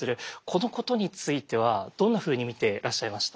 このことについてはどんなふうに見てらっしゃいました？